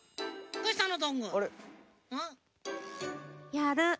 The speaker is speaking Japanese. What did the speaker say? やる。